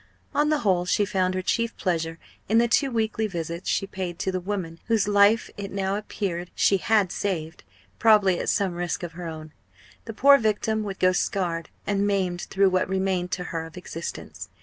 On the whole she found her chief pleasure in the two weekly visits she paid to the woman whose life, it now appeared, she had saved probably at some risk of her own. The poor victim would go scarred and maimed through what remained to her of existence.